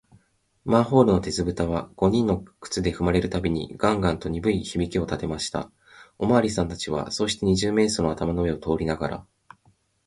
マンホールの鉄ぶたは、五人の靴でふまれるたびに、ガンガンとにぶい響きをたてました。おまわりさんたちは、そうして、二十面相の頭の上を通りながら、